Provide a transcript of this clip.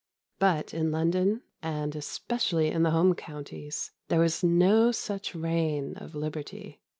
But in London, and especially in the Home Counties, there was no such reign of liberty.